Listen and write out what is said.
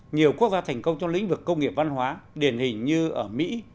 nhiều quốc gia thành công trong lĩnh vực công nghiệp văn hóa điển hình như ở mỹ